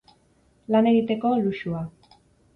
Lan egiteko, luxua.